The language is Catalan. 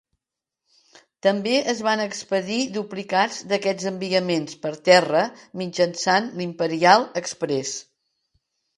També es van expedir duplicats d'aquests enviaments per terra mitjançant l'imperial express.